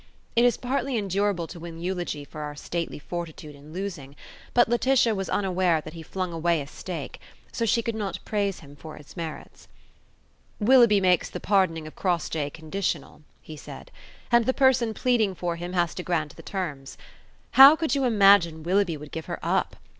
It is partly endurable to win eulogy for our stately fortitude in losing, but Laetitia was unaware that he flung away a stake; so she could not praise him for his merits. "Willoughby makes the pardoning of Crossjay conditional," he said, "and the person pleading for him has to grant the terms. How could you imagine Willoughby would give her up!